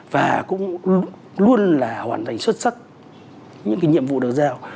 và cũng luôn là hoàn thành xuất sắc những cái nhiệm vụ được giao